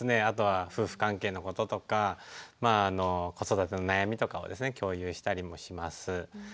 あとは夫婦関係のこととかまああの子育ての悩みとかをですね共有したりもします。